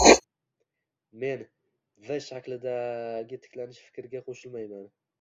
Men V shaklidagi tiklanish fikriga qo'shilmayman